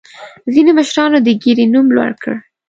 ځینې مشرانو د ګیرې نوم لوړ کړ.